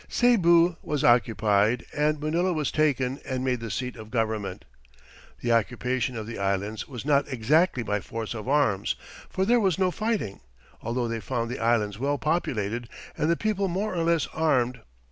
Cebu was occupied, and Manila was taken and made the seat of government. The occupation of the Islands was not exactly by force of arms, for there was no fighting, although they found the islands well populated and the people more or less armed.